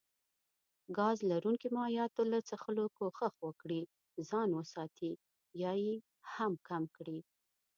ګاز لرونکو مايعاتو له څښلو کوښښ وکړي ځان وساتي يا يي هم کم کړي